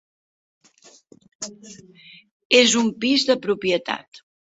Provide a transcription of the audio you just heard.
És un pis de propietat.